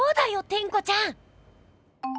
テンコちゃん！